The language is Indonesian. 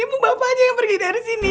emang bapak aja yang pergi dari sini